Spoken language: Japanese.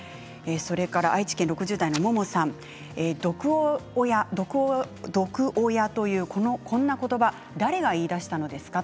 それから愛知県６０代の方毒親というこの言葉、誰が言いだしたのですか？